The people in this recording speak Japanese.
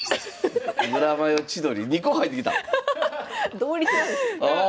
同率なんですね。